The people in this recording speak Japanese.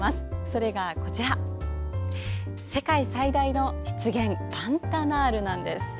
それが、世界最大の湿原パンタナールです。